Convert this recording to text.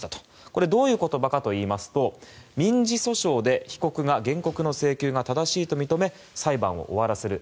これはどういう言葉かというと民事訴訟で被告が原告の請求が正しいと認め裁判を終わらせる。